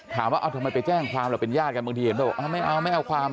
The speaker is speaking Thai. ถามว่าเอาทำไมไปแจ้งความล่ะเป็นญาติกันบางทีเห็นบอกไม่เอาไม่เอาความ